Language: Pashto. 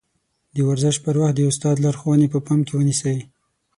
د ورزش پر وخت د استاد لارښوونې په پام کې ونيسئ.